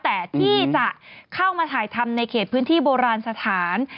แต่ที่จะเข้ามาถ่ายทำในเขตพื้นที่โบราณสถาน